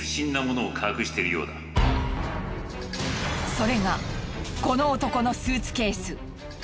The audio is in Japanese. それがこの男のスーツケース。